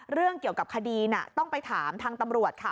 เรื่องเกี่ยวกับคดีน่ะต้องไปถามทางตำรวจค่ะ